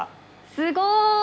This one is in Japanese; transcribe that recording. すごい。